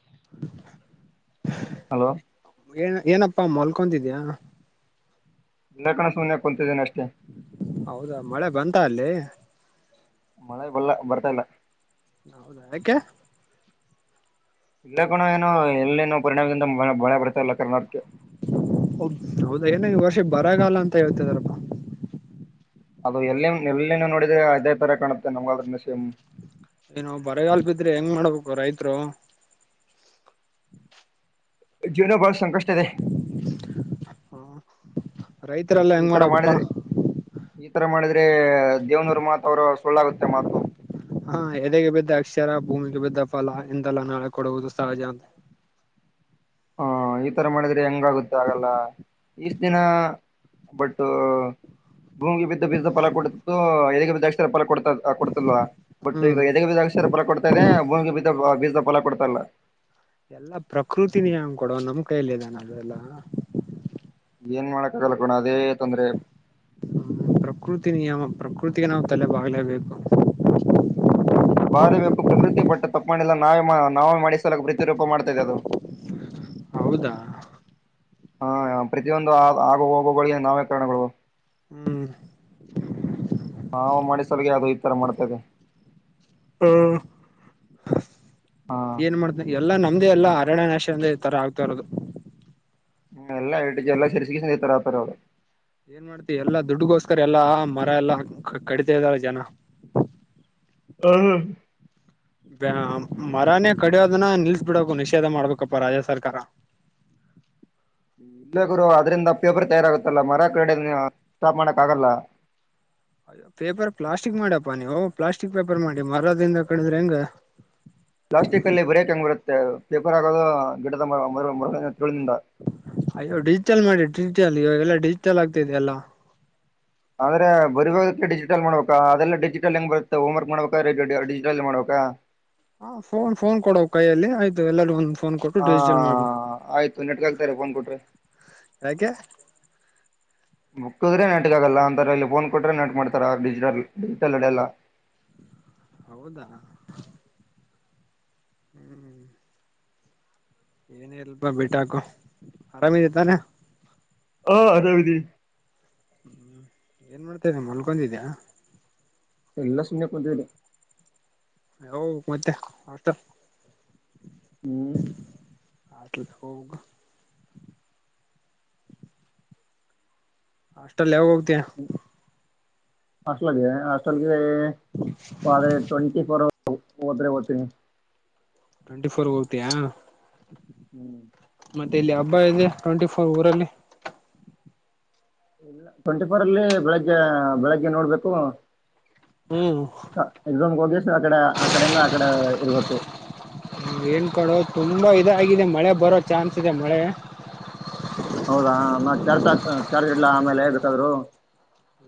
[unintelligible] Hello ಏನ್ ಏನಪ್ಪಾ ಮಲ್ಕೊಡಿದೀಯಾ ನ ಕಣ ಸೂನ್ ಕುಂತಿದ್ದನೆ ಅಷ್ಟೆ ಹೌದಾ ಮಳೆ ಬಂತ ಅಲ್ಲಿ ಮಳೆ ಬಲ್ಲ ಬರ್ತಾ ಇಲ್ಲ ಹೌದಾ ಯಾಕೆ ಇಲ್ಲ ಕೂಣ ಏನು ಎಲ್ಲೇನು ಪರಿಣಾಮದಿಂದ ಮಳೆ ಬರ್ತಾ ಇಲ್ಲ ಕರ್ನಾಟಕಕ್ಕೆ ಹೌದು ಏನ ಈ ವರ್ಷ ಬರಾಗಲ್ಲ ಅಂತ ಹೇಳ್ತಿದಾರಪ್ಪ ಅದು ಎಲ್ಲಿ ಎಲ್ಲಿ ನೋಡ್ರೆ ಅದೇ ತರ ಕಾಣುತ್ತೆ ನಮಗಾದ್ರ ಏನ ಬರಗಲ್ಪಿದ್ರೆ ಹೆಂಗ್ ಮಾಡ್ಬೇಕು ರೈತರು ಜೀವನೋ ಬಳ ಸಂಕಷ್ಟದೆ ಹ ರೈತರೆಲ್ಲಾ ಹೆಂಗ್ ಈತರ ಮಾಡಕಪ್ಪಾ ಮಾಡಿದ್ರೆ ಈತರ ಮಾಡಿದ್ರೆ ದೇವನೂರ್ ಮಾತ್ ಅವರ ಸಳ್ಳಾಗುತ್ತೆ ಮಾತು ಹಾ ಎದೆಗೆ ಬಿದ್ದ ಅಕ್ಷರ ಭೂಮಿಗೆ ಬಿದ್ದ ಫಲ ಇಂದೆಲ್ಲಾ ನಾಳೆ ಕೊಡುವುದು ಸಹಜ ಅಂತ ಹಾ ಈ ತರ ಮಾಡಿದ್ರೆ ಹೆಂಗಾಗುತ್ತೆ ಆಗಲ್ಲ ಇಷ್ಟ ದಿನ ಬಟ್ ಭೂಮಿಗೆ ಬಿದ್ದ ಬಿದ್ದ ಫಲ ಕೊಡು ಎಲ್ಲಿ ಬಿದ್ದ ಜಾಸ್ತಿ ಫಲ ಕೊಡ ಕೊಡ್ತಿಲ್ವಾ ಬಟ್ ಹ್ಮ್ ಈಗ ಎದೆ ಬೀ ಬರ ಕೊಡ್ತಾ ಇದೆ ಭೂಮಿಗೆ ಬ ಬೀಜ ಫಲ ಕೊಡ್ತಲ್ಲ ಎಲ್ಲಾ ಪ್ರಕೃತಿನಿಯಂ ಕೊಡುವ ನಮ್ ಕೈಯಲ್ಲಿ ಇದಾನ ಅದೆಲ್ಲ ಏನ್ ಮಾಡಕ್ ಕಲ್ಕೋಣ ಅದೇ ತೊಂದ್ರೆ ಪ್ರಕೃತಿ ನಿಯಮ ಪ್ರಕೃತಿಗೆ ನಾವು ತಲೆ ಬಾಗಲೇಬೇಕು ಬಾರ ಬೇಕು ಪ್ರಕೃತಿಯ ಪಟ್ಟು ತಪ್ಪಿಲ್ಲ ನಾವೇ ನಾವೇ ಮಾಡಿಸ ಸಲ ಪ್ರತಿರೂಪ ಮಾಡ್ತದೆ ಅದು ಹೌದಾ ಹಾ ಪ್ರತಿಯೊಂದು ಆ ಆಗ ಹೋಗುಗಳಿಗೆ ನಾವೀಕರಣಗಳು ಹ್ಮ್ ನಾವು ಮಾಡ ಸಲ ಯಾವ್ದದು ಈ ತರ ಮಾಡ್ತೇವೆ ಏನ್ ಮಾಡ್ತ ಎಲ್ಲಾ ನಮ್ದೇ ಎಲ್ಲಾ ಅರಣ್ಯ ನಾಶ ಅ ತರ ಆಗ್ತರೋದು ಹ್ಮ ಎಲ್ಲಾ ಹ ಎಲ್ಲಾ ಸರಿಸಿಗೆ ಸ ತರ ಆತಾರೆ ಅವರು ಏನ್ ಮಾಡ್ತಿ ಎಲ್ಲಾ ದುಡ್ಗೋಸ್ಕರ ಎಲ್ಲಾ ಮರ ಎಲ್ಲಾ ಕಡಿತ ಇದ್ದಾರೆ ಜನ [unintelligible] ಹ್ಮ ಹ್ಮ ಮರಾನೇ ಕಡಿಯೋದನ್ನ ನಿಲ್ಸ್ ಬಿಡು ನಿಷೇಧ ಮಾಡ್ಬೇಕಪ್ಪಾ ರಾಜ ಸರ್ಕಾರ [unintelligible] ಇಲ್ಲ ಗುರು ಅದ್ರಂದ ಪೇಪರ್ ತಯಾರಾಗುತ್ತಲ್ಲ ಮರ ಕ್ರಡೆ ಸ್ಟಾಪ್ ಮಾಡಕ್ ಆಗಲ್ಲ ಅಯ್ಯೋ ಪೇಪರ್ ಪ್ಲಾಸ್ಟಿಕ್ ಮಾಡ್ಯಪ್ಪಾ ನೀವವು ಪ್ಲಾಸ್ಟಿಕ್ ಪೇಪರ್ ಮಾಡಿ ಮರದಿಂದ ಕಡಿದ್ರೆ ಹೆಂಗ ಪ್ಲಾಸ್ಟಿಕ್ ಅಲ್ಲಿ ಬರಕ್ಂಗ್ ಬರುತ್ತೆ ಪೇಪರ್ ಆಗೋದು ಗಿಡದ ತಿಳಿನಿಂದ ಅಯ್ಯೋ ಡಿಜಿಟಲ್ ಮಾಡಿ ಡಿಜಿಟಲ್ ಇವಾಗೆಲ್ಲಾ ಡಿಜಿಟಲ್ ಆಗ್ತಿದೆ ಎಲ್ಲ ಆದ್ರೆ ಬರುವವಾಗೆ ಡಿಜಿಟಲ್ ಮಾಡ್ಬೇಕಾ ಅದೆಲ್ಲ ಡಿಜಿಟಲ್ ಹೆಂಗ್ ಬರುತ್ತೆ ಹೋಮ್ರ್ಕ್ ಮಾಡ್ಬೇಕಾ ಡಿಜಿಟಲ್ ಮಾಡ್ಬೇಕ ಹ ಹ ಫೋನ್ ಫೋನ್ ಕೊಡ್ ಕೈಯಲ್ಲಿ ಆಯ್ತು ಎಲ್ಲರಿೂ ಒಂದು ಫೋನ್ ಕೊಟ್ಟು ಹ ಡಿಜಿಟಲ್ ಮಾಡ ಆಯ್ತು ನೆಟ್ಗಾಗ್ತಾರೆ ಫೋನ್ ಕೊಟ್ರೆ ಯಾಕೆ ಬುಕ್ದ್ರೆ ನೆಟ್ಗ ಆಗಲ್ಲ ಅಂತರ ಇಲ್ಲಿ ಫೋನ್ ಕೊಟ್ರೆ ನೆಟ್ ಮಾಡ್ತಾರ ಡಿಜಿಟಲ್ ಡಿಜಿಟಲ್ ಅಡೆ ಎಲ್ಲ ಹೌದಾ ಹ್ಮ್ ಏನೇ ಇಲ್ಪ ಬಿಟಾಕು ಆರಾಮಿದ ತಾನ ಹಾ ಅದೇ ವಿಧ ಹ್ಮ್ ಏನ್ ಮಾಡ್ತೇವ ಮಲ್ಗೊಂಡಿದ್ಯಾಯಾ ಎಲ್ಲಾ ಸುಮ್ನೆ ಕುತಿದೆನೆ ಹ ಮತ್ತೆ ಆತ ಹ್ಮ್ ಹೌೋಗ ಅಷ್ಟಲ್ಲಿ ಯಾವಗಾ ಹೋಗ್ತಯ ಹಾಸ್ಟಲ್ಗೆ ಹಸ್ಟಲ್ಗೆ ಆದೆ ಟ್ವೆಂಟಿ ಫೋರ್ ಓದರೆೆ ಹೋಗ್ಥಿನಿ ಟ್ವೆಂಟಿ ಫೋರ್ ಹೋಗ್ತಯಾ ಹ್ಮ್ ಮತ್ತೆ ಇಲ್ಲಿ ಹಬ್ಬ ಇದೆ ಟ್ವೆಂಟಿ ಫೋರ್ ಊರ ಅಲ್ಲಿ ಟ್ವೆಂಟಿ ಫೋರ್ ಅಲ್ಲಿ ಬೆಳಗ್ಗೆ ಬೆಳಗ್ಗೆ ನೋಡ್ಬೇಕು ಹ್ಮ್ ಹ ಎಕ್ಸಾಮ್ಗೆ ಹೋಗ ಸ ಆಕಡೆ ಆ ಕಡೆಯಿಂದ ಆಕಡೆ ಇರ್ಬೇಕು ಏನ್ ಕೊಡೋ ತುಂಬಾ ಇದಾಗಿದೆ ಮಳೆ ಬರೋ ಚಾನ್ಸ್ ಇದೆ ಮಳೆ ಹೌದಾ ಮತ್ತ ಚರ್ ಚರ್ ಇಡ್ಲಾ ಆಮೇಲೆೇ ಬಾದ್ರು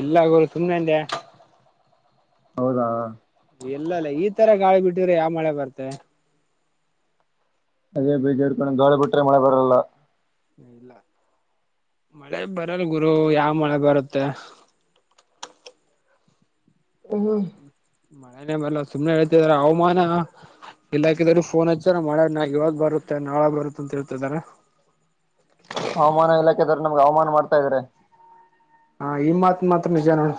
ಇಲ್ಲ ಗೋರು ಸುಮ್ಮ್ನೆಂದ ಹೌದಾ ಇಲ್ಲಲ್ಲ ಈ ತರ ಗಾಳಿ ಬಿಟ್ಟಿದ್ರೆ ಯಾವ ಮಳೆ ಬರ್ತೆೆ ಅದೇ ಬೀಜ ಇರ್ಕೊಂಡ ದೋಳಿ ಬಿಟ್ರೆ ಮಳೆ ಬರಲ್ಲ ಹ ಇಲ್ಲ ಮಳೆ ಬರಲ್ ಗುರು ಯಾವ ಮಳೆ ಬರುತ್ತೆ ಹ ಮಳೆನೆ ಮೇಲೆ ಸುಮ್ನೆ ಹೇಳ್ತಿದ್ರ ಹಾಮಾನ ಇಲಾಖೆದವರು ಫೋನ್ ಹಚ್ಚಾರ ಮಾಡ ನ ಇವಾಗ ಬರುತ್ತೆ ನಾಳಾಗ ಬರುತ್ತ ಅಂತ ಹೇಳ್ತಿದಾರ ಹವಾಮಾನ ಇಲಾಖೆದವ್ರು ನಮ್ಗೆ ಅವಮಾನ ಮಾಡ್ತಾ ಇದಾರೆ ಹಾ ಈ ಮಾತ್ ಮಾತ್ರ ನಿಜ ನೋಡ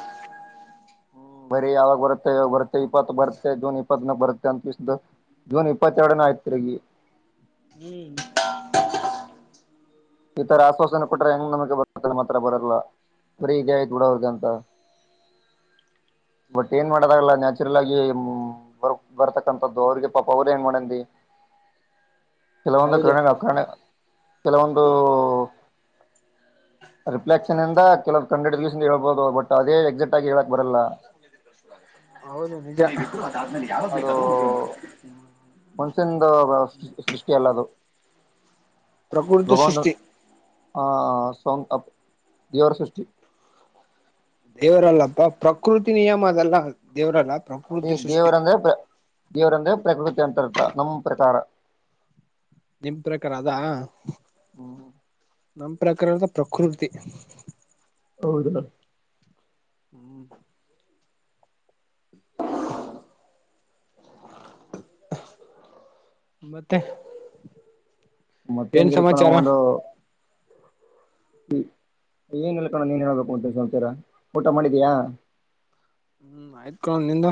ಹ್ಮ್ ಬರೀ ಯಾವಾಗ ಬರುತ್ತೆಾಗ ಬರುತ್ತೆ ಇಪ್ಪತ್ತು ಬರುತ್ತೆ ಜೂನ್ ಇಪ್ಪತ್ನ ಬರುತ್ತೆ ಅಂತಸ್ದು ಜೂನ್ ಇಪ್ಪತ್ತೆರಡ ನ ಆಯ್ತ್ ತಿರ್ಗಿ ಹ್ಮ್ ಈತರ ಆಶ್ವಾಸನೆ ಕೊಟ್ರೆ ಹೆಂಗ್ ನಮಗೆ ಬರತ್ತ ಮಾತ್ರ ಬರಲ್ಲ ಬರಿ ಇದ್ದೆ ಆಯ್ತು ಬಿಡೊ [inaudible] ಬಟ್ ಏನ್ ಮಾಡದಾಗಲ್ಲ ನ್ಯಾಚುರಲ್ ಆಗಿ ಬರ್ತಕ್ಕಂಥದ್ದು ಅವ್ರಿಗೆ ಪಾಪ ಅವರ ಏನ್ ಮಾಡನ್ಿ [inaudible] ಕೆಲವೊಂದು ಹೌದು ಕರಣ ಕರಣ ಕೆಲವೊಂದು ರಿಫ್ಲೆಕ್ಷನ್ಂದ ಕೆಲವ ಕಂಡ್ರೆಡ್ ದಿವಸ ಹೇಳ್ಬೋದು ಬಟ್ ಅದೇ ಎಕ್ಸೆಕ್ಟ್ ಆಗಿ ಹೇಳಕ್ ಬರಲ್ಲ ಹೌದುು ಅಾದ್ಮೇಲೆ ಯಾವಾಗ ಬೇಕಾದೂ ಮುಗುವ ಮನ್ಸ್ಯನ್ ಸೃಷ್ಟಿ ಅಲ್ಲ ಅದು ಪ್ರಕೃತಿ ಸೃಷ್ಟಿ ಹಂ ಸೋಂಗಪ್ ದೇವರಸೃಷ್ಟಿ ದೇವರಲ್ಲಪ್ಪ ಪ್ರಕೃತಿ ನಿಯಮ ಅದೆಲ್ಲ ದೇವರಲ್ಲ ಅದೇ ಪ್ರಕೃತಿ ಸೃಷ್ಟಿ ದೇವ್ರಂದ್ರೆ ದೇವ್ರಂದ್ರೆ ಪ್ರಕೃತಿ ಅಂತರ್ಥ ನಮ ಪ್ರಕಾರ. ನಿಮ ಪ್ರಕಾರ ಅದಾ? ಹ್ಮ್ ನಮ್ಮ ಪ್ರಕಾರದ ಪ್ರಕೃತಿ ಹೌದನಾ. ಹ್ಮ್ [inaudible] ಮತ್ತೆ? ಏನ್ ಮತ್ತೇಗಿಲಪ್ಪಾ ನಾವ ಸಮಾಚಾರ ಅದು. ಏನ್ ಎಲ್ಲ ಕಣೋ ನೀನ್ ಹೇಳ ಬೇಕು ಮತ್ತ ಏನ ಸಮಾಚಾರ. ಊಟ ಮಾಡಿದ್ಯಾ ಹ ಹ್ಮ್ ಆಯ್ತ್ ಕಣೋ ನಿಂದು.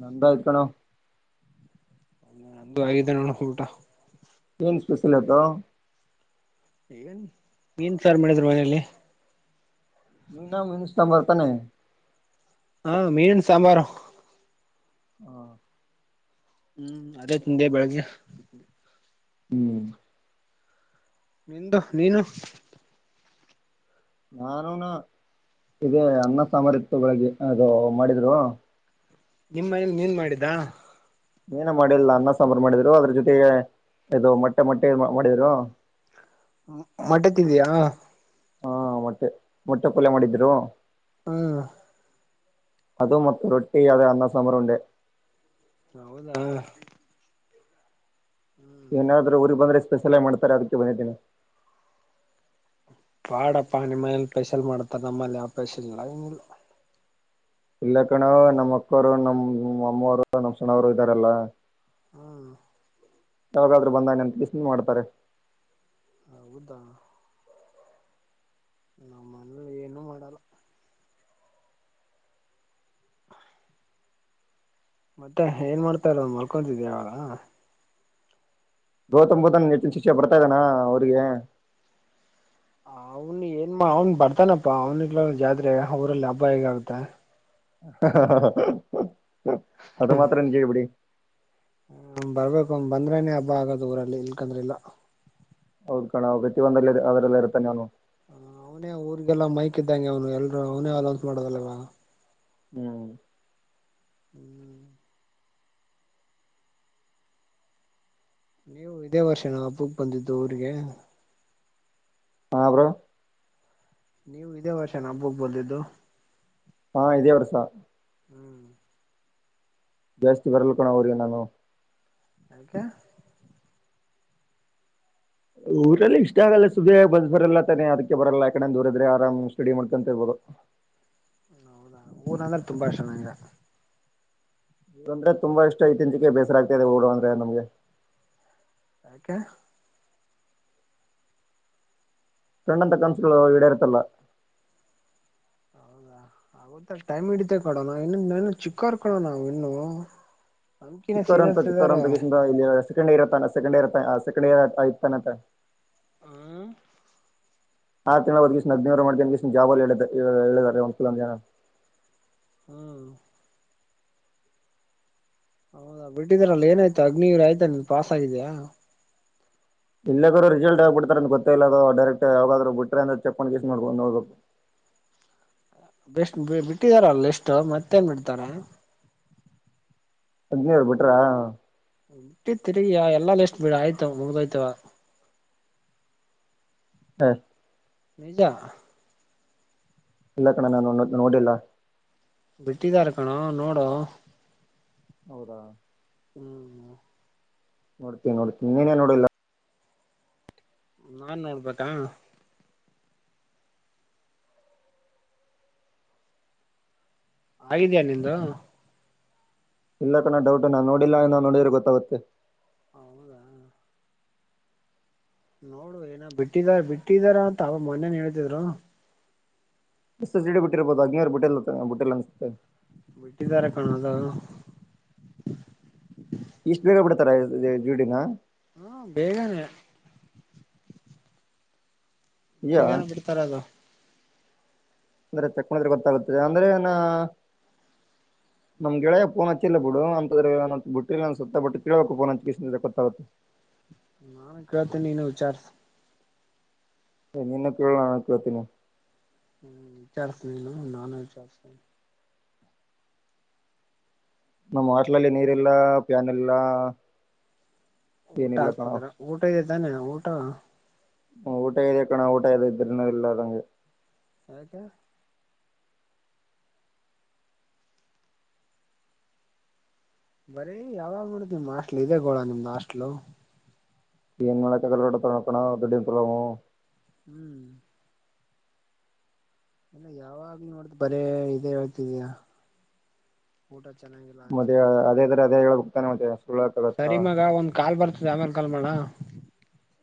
ನಂದು ಆಯ್ತ ಕಣೋ. ನಂದು ಆಗಿದ್ದ ನೋಡ ಊಟ. ಏನ್ ಸ್ಪೆಷಲ್ ಇವತ್ತು. ಏನ್ ಮೀನ ಸಾರ್ ಮಾಡಿದ್ರು ಮನೆಯಲ್ಲಿ. ಮೀನ ಮಿಂಚ ತಾ ಬರ್ತಾನೆ. ಹಾ ಮೀನ ಸಾಂಬಾರು. ಹ್. ಹ್ಮ್ ಅದೇ ತಿಂದೆ ಬೆಳಗ್ಗೆ. ಹ್ಮ್. ನಿಂದು ನೀನು. ನಾನುನ ಇದೇ ಅನ್ನ ಸಾಂಬಾರ್ ಇರ್ತದ ಅಲ್ಲಿ ಅದು ಮಾಡಿದ್ರು. ನಿಮ್ಮ ಐಲ್ಲಿ ನೀನ್ ಮಾಡಿದ. ಏನು ಮಾಡಿಲ್ಲ ಅನ್ನ ಸಾಂಬಾರು ಮಾಡಿದ್ರು ಅದ್ರ ಜೊತೆಗೆ, ಇದು ಮೊಟ್ಟೆ ಮೊಟ್ಟೆ ಮಾಡಿದ್ರು, ಮಟ್ಟೆ ತಿದ್ದಯಾ. ಹಾ ಮಟ್ಟೆ ಮೊಟ್ಟೆ ಪಲ್ಯ ಮಾಡಿದ್ರು. ಹ್ಮ್. ಅದು ಮತ್ತು ರೊಟ್ಟಿ ಅದೆ ಅನ್ನ ಸಾಂಬಾರ್ ಉಂಡೆ. ಹೌದಾ. ಏನಾದ್ರೂ ಊರಿಗ ಬಂದ್ರೆ ಸ್ಪೆಷಲೈ ಮಾಡ್ತಾರೆ ಅದಕ್ಕೆ ಬಂದಿದ್ದೀನಿ. ಪಾಡಪ್ಪಾ ನಿಮ್ಮ ಮನಲಿ ಸ್ಪೆಷಲ್ ಮಾಡತಾರ ನಮ್ಮಲ್ಲಿ ಆ ಸ್ಪೆಷಲ್ ಇಲ್ಲ ಏನಿಲ್ಲ. ಇಲ್ಲ ಕಣೋ ನಮ್ಮ ಅಕ್ಕವರು ನಮ್ ಅಮ್ಮವರು ನಮ್ಮ್ ಸಣ್ಣವರು ಇದ್ದಾರೆಲ್ಲ. ಹ್ಮ. ಯಾವಾಗಾದ್ರರು ಬಂದಾಗ ನಮ್ ತಿತಿ ಮಾಡ್ತಾರೆ. ಹೌದಾ. ನಮ್ಮ ಮನೇಲಿ ಏನುೂ ಮಾಡಲ್ಲ. ಮತ್ತೆ ಏನ್ ಮಾಡ್ತಾರೋ ಮಲ್ಕೊತಿದಿಯಾ. ಗೌತಮ್ ಬುದ್ಧ ನೆಚ್ಚಿನ ಶಿಕ್ಷ ಬರ್ತಾ ಇದ್ದಾನ ಊರಿಗೆ. ಅವ್ನು ಏನ್ ಅವ್ನ್ ಬರ್ತಾನಪ್ಪಾ ಅವ್ನಿ ಇಲ್ಲಾದ್ರ ಜಾತ್ರೆ ಅವ್ರಲ್ಲಿ ಹಬ್ಬ ಹೇಗ ಆಗುತ್ತೆ. ಅದು ಮಾತ್ರ ನಿಜ ಬಿಡಿ. ಹ್ಮ ಬರ್ಬೇಕ ಅವ ಬಂದ್ರೇನೇ ಹಬ್ಬ ಆಗದು ಊರಲ್ಲಿ ಇಲ್ಕಂದ್ರ ಇಲ್ಲ. ಹೌದು ಕಣೋ ಪ್ರತಿಯೊಂದುಲ್ಲಿ ಅದರಲ್ಲಿ ಇರ್ತಾನೆ ಅವನು. ಹ ಅವನೇ ಊರ್ರಿಗೆಲ್ಲ ಮೈಕ್ ಇದಂಗ ಅವನು ಎಲ್ರುೂ ಅವನೇ ಅಲೌನ್ಸ್ ಮಾಡದಲ್ವ. ಹ್ಮ್. ಹ್ಮ್. ನೀವು ಇದೇ ವರ್ಷ ನಾ ಹಬ್ಬಕ್ ಬಂದಿದ್ದು ಊರಿಗೆ. ಹಾ ಬ್ರೋ. ನೀವು ಇದೇ ವರ್ಷ ಹಬ್ಬ ಕ ಬಂದಿದ್ದು. ಹಾ ಇದೇ ವರ್ಷ. ಹ್ಮ್ ಜಾಸ್ತಿ ಬರಲ್ ಕಣೋ ಊರಿಗೆ ನಾನು. ಯಕ ಊರಲ್ಲಲ್ಲಿ ಇಷ್ಟ ಆಗಲ್ಲ ಸುಮ್ಯ ಬಸ್ ಬರಲ್ಲ ಅಂತಾನೇ ಅದಕ್ಕೆ ಬರಲ್ಲ ಯಕಡಡೆ ದೂರದ್ರೆ ಆರಾಮ್ ಸ್ಟಡಿ ಮಾಡ್ಕೊಂತ ಹೌದಾ ಊರ್ ಅಂದ್ರೆ ತುಂಬಾ ಇಷ್ಟ ನಂಗೆ. ಇಗಂದ್ರೆ ತುಂಬಾ ಇಷ್ಟ ಇ ತಿಂಚಿಕ ಬೇಸರ ಆಗ್ತ ಇದೆ ಊರು ಅಂದ್ರೆ ನಮ್ಗೆ. ಯಾಕೆ. ಸಣ್ಣ [unintelligible] ಕನ್ಸಗಳು ಈಡೇರುತ್ತಲ್ಲ. ಹೌದಾ ಆಗುತ್ತ ಟೈಮ್ ಹಿಡಿತೆ ಕಣೋ ನಾವ ಇನ್ನು ನಾವ ಇನ್ನು ಚಿಕ್ಕವರ್ ಕಣೋ ನಾವು ಇನ್ನೂ. ಚಿಕ್ಕೋರು, ಅಂತ ಚಿಕ್ಕೋರು ಅಂತ! ಅಪ್ಲಿಕೇಶನ್, ಸೆಕಂಡ್ ಇಯರ್ತ್ತ ಸೆಕಂಡ್ ಇರ್ ಸೆಕಂಡ್ ಇಯರ್, ಇಧುತನ್ಯಕ್ಕ. [unintelligible] ಹ್ಮ ಆರು, ತಿಂಗಳ ಬ ಕೀಷ್ಣ ನಗ್ನೇವ್ ಮಾಡ್ತ ಕಷ್ಣ ಜಾಲ್ಲಿ ಹೇಳ ಹೇಳಿದ್ದಾರೆ ಒಂದ್ ಕಲೊ ಜನ. [unintelligible] ಹ್ಮ್. [inaudible] ಹೌದಾ, ಬಿಟ್ಟಿದ್ರಲ್ಲ ಏನಾಯ್ತು ಅಗ್ನಿ, ಏನಾಯ್ತು, ಪಾಸ್ ಆಗಿದ್ಯಾ. [unintelligible] ಇಲ್ಲಬ್ರೋ, ರಿಸಲ್ಟ್ ಆಗಬಡ್ತಾರ! ಅಂತ ಗೊತ್ತಲ, ಅದು ಡೈರೆಕ್ಟ್ ಯಾವಾಗಾದ್ರು! ಬಿಟ್ರ ಅಂತ, ಚೆಕ್ ಅಪ್ಲಿಕೇಶನ್, ನೋಡುಬೇಕು. [unintelligible] [unintelligible] [inaudible] ಬಿಟ್ಟು ಇದಾರ, ಮತ್ತೆ, ಎಷ್ಟು ಮತ್ತೇನ್, ಮಾಡುತ್ತಾರಾ. [unintelligible] ಅಗ್ನಿಯಾವಾರು, ಬಿಟ್ರಾ. [unintelligible] ಬಿಟ್ಟು ಇರ್ತೀರಿ, ಎಲ್ಲಾ ಲಿಸ್ಟ್, ಆಯ್ತು, ಮುಗಿದು, ಓಗುತ್ತಾವ. [unintelligible] ಹ. ನಿಜ. [unintelligible] ಇಲ್ಲ, ಕಣ ನಾನು, ಅಧನಾ, ನೋಡಿಲ್ಲ. [inaudible] ಬಿಟ್ಟಿದಾರೆ, ಕಣೋ ನೋಡೋ. [inaudible] ಹೌದಾ. [inaudible] ಹ್ಮ್. [inaudible] ನೋಡ್ತಿನಿ, ನೋಡ್ತಿನಿ, ನೀನೇ ನೋಡಿಲ್ಲ. [inaudible] ನಾನು, ನೋಡ್ಬೇಕಾ? [inaudible] ಹೇಗಿದ್ದೀಯಾ, ನಿಂದು. [inaudible] ಇಲ್ಲ, ಕಣ ಡೌಟ್! ನಾನು, ನೋಡಿಲ್ಲಾ ಅಂದ ನೋಡಿದ್ರೆ ಗೊತ್ತಾಗತ್ತೆ? [inaudible] ಹೌದಾ. [inaudible] ನೋಡು, ಏನು, ಬಿಟ್ಟಿದಾ ಬಿಟ್ಟಿದಾರೆ, ಅಂತ ಅವ ಮೊನೇನ್ ಹೇಳ್ತಿದ್ರು? [inaudible] ಎ, ಜಿಡಿ, ಬಿಟ್ಟಿರ್ಬೋದು! ಅಗ್ನಿ ಅವರಿಗೆ, ಬಿಟ್ಟಿಲ್ಲ, ಅನಿಸುತ್ತೆ? [inaudible] ಬಿಟ್ಟಿದಿದ್ದಾರೆ, ಕಣ್ಣೋ, ಅದು.. [inaudible] ಇಷ್ಟು, ಬೇಗ ಬಿಡ್ತಾರ ಜಿಡಿನಾ. [inaudible] ಹೂ, ಬೇಗನೆ. [inaudible] ಯಾ ಬೆಳಗನೇ, ಬಿಡ್ತಾರೆ, ಅದು. [inaudible] ಬರುತ್ತೆ, ಅಂದ್ರೆ, ಗೊತ್ತಾಗುತ್ತೆ! ಆಮೇಲೆ, ಏನೂ? [inaudible] [unintelligible] [inaudible] ನಮ್, ಗೆಳೆಯ, ಫೋನ್ ಹಚ್ಚಿಲ್ಲ, ಬಿಡು ಅಂತಂದ್ರ, ಬಿಟ್ಟಿಲ್ಲ ಅನಿಸುತ್ತೆ, ಬಟ್ಟು, ಪ್ಹೊನ್ಯಾಚಿ, ಗೊತ್ತಾಗುತ್ತೆ. [inaudible] ನಾನು, ಕೇಳುತ್ತೀನಿ, ವಿಚಾರಸು. [inaudible] ಏ, ನೀನಾ, ಪಿಯೂ, ಅಂತ, ಕೇಳುತ್ತೀನಿ. [inaudible] ಹ್ಮ್, ವಿಚಾರಸು, ನೀನು ನಾನು, ವಿಚಾರಿಸುತ್ತಿನಿ. [inaudible] ನಮ್ಮ, ಹಾಸ್ಟೆಲಲ್ಲಿ, ನೀರಿಲ್ಲ, ಪ್ಯಾನ್ ಇಲ್ಲ. [unintelligible] ಊಟ, ಏನಿಲ್ಲ ಕಣ ಆಗ್ತಿದಾರ, ಊಟ ಇದೆ ತಾನೆ ಊಟ. [inaudible] ಹಾ, ಊಟ, ಇದೇ ಕನ, ಊಟ ಇದ್ರು, ಇಲ್ಲಧಂಗೆ. [inaudible] ಯಾಕು, ಹೇಳು. [inaudible] ಬರೀ, ಯಾವಾಗ್ ನೋಡುದು, ನಿಮ್ ಹಾಸ್ಟೆಲ್, ಇದೆ, ಗೋಳು, ನಿಮ್ದ, ಹಾಸ್ಟೆಲ್ಧು. [inaudible] ಏನು ಮಾಡಕ್ಕಾಗಲ್ಲ, ನೋಡಣ, ಪಪನೋ ದೊಡಿಪಾರಂ. [inaudible] ಹ್ಮ್. [inaudible] ಇಲ್ಲ, ಯಾವಾಗ್ ನೋಡಿದ್ರು, ಬಾರಿ, ಇದೇ, ಹೇಳುತೀಧಿಯ, ಊಟ. [inaudible] ಅದ್ ಮದೆವೆ, ಚೆನ್ನಾಗಿಲ್ಲ ಅದೇ, ಕಡೆ, ಅದೇ, ಹೋಗುತ್ತಾನೆ, ಅಂತೇ? [inaudible] ಸರಿ, ಮಗ ಒಂದ್ ಕಾಲ್ ಬರ್ತದೆ, ಆಮೇಲೆ, ಕಾಲ್ ಮಾಡುಲ್ಲ. [inaudible]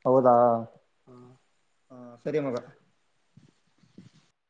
ಹೌದಾ. [inaudible] ಹ್ಮ. [inaudible] ಹಾ, ಸರಿ, ಮಗ. [inaudible]